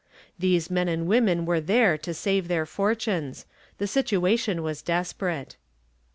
These men and women were there to save their fortunes; the situation was desperate.